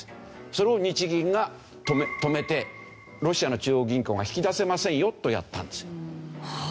それを日銀が止めてロシアの中央銀行が引き出せませんよとやったんですよ。